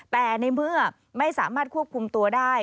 แต่ในเมื่อไม่สามารถควบคุมตัวได้